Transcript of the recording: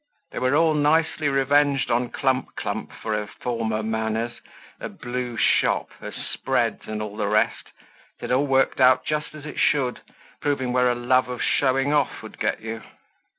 They were all nicely revenged on Clump clump, for her former manners, her blue shop, her spreads, and all the rest. It had all worked out just as it should, proving where a love of showing off would get you.